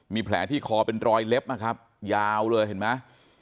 มีแผลที่คอเป็นรอยเล็บนะครับยาวเลยเห็นไหม